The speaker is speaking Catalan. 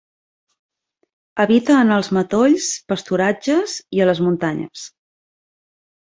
Habita en els matolls, pasturatges i a les muntanyes.